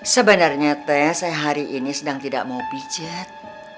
sebenarnya teh saya hari ini sedang tidak mau bijak